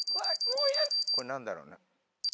これ何だろう？